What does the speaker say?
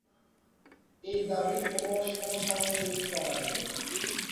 এই দাবির কোন সমসাময়িক প্রমাণ নেই।